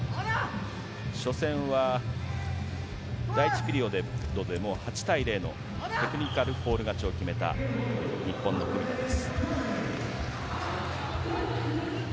初戦は、第１ピリオドで８対０のテクニカルフォール勝ちを決めた日本の文田です。